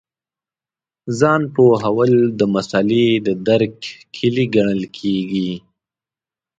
ځان پوهول د مسألې د درک کیلي ګڼل کېږي.